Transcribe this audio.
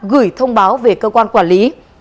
gửi thông báo về cơ quan quản lý